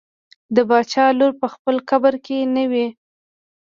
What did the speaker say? د باچا لور په خپل قبر کې نه وي.